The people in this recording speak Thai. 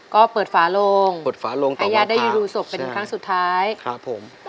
ก็เปิดฝาลงไฮยาได้ยูดูสบเป็นครั้งสุดท้ายค่ะพี่ตั้มใช่ครับผม